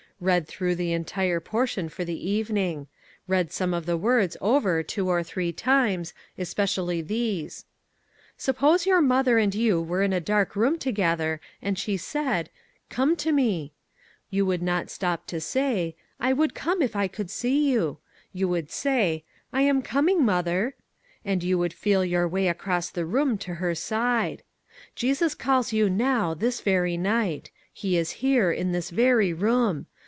Read through the entire portion for the evening ; read some of the words over two or three times, especially these: " Suppose your mother and you were in a dark room together and she said :' Come to me !' You would not stop to say :' I would come if I could see you.' You would say: ' I am coming, mother.' And you would feel your way across the room to her side. Jesus calls you now, this very night. He is here, in this very room.